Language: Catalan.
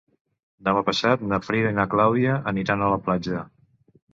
Demà passat na Frida i na Clàudia aniran a la platja.